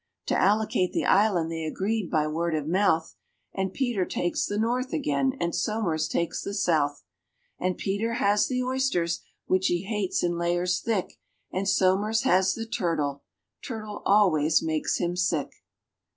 To allocate the island they agreed by word of mouth, And PETER takes the north again, and SOMERS takes the south; And PETER has the oysters, which he hates in layers thick, And SOMERS has the turtle turtle always makes him sick.